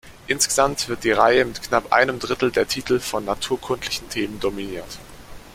Insgesamt wird die Reihe mit knapp einem Drittel der Titel von naturkundlichen Themen dominiert.